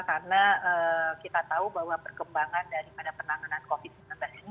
karena kita tahu bahwa perkembangan daripada penanganan covid sembilan belas ini